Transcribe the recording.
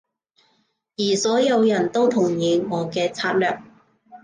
而所有人都同意我嘅策略